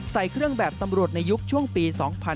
ใส่เครื่องแบบตำรวจในยุคช่วงปี๒๕๕๙